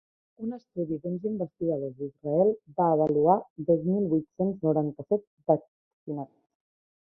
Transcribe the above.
Un estudi d’uns investigadors d’Israel va avaluar dos mil vuit-cents noranta-set vaccinats.